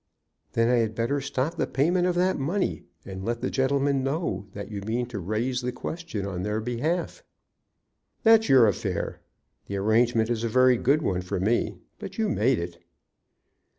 "Then I had better stop the payment of that money, and let the gentlemen know that you mean to raise the question on their behalf." "That's your affair. The arrangement is a very good one for me; but you made it."